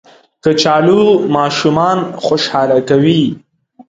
کچالو ماشومان خوشحاله کوي